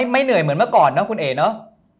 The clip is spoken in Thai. ไม่เหนื่อยเหมือนเมื่อก่อนนะคุณเอ๋เนอะ